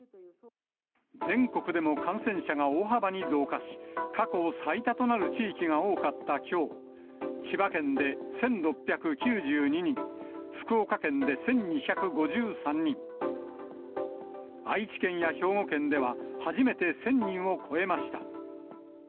全国でも感染者が大幅に増加し、過去最多となる地域が多かったきょう、千葉県で１６９２人、福岡県で１２５３人、愛知県や兵庫県では、初めて１０００人を超えました。